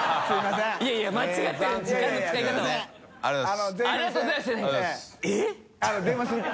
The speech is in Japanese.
「ありがとうございます」じゃない！